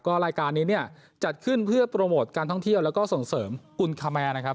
รายการนี้เนี่ยจัดขึ้นเพื่อโปรโมทการท่องเที่ยวแล้วก็ส่งเสริมกุลคาแมร์นะครับ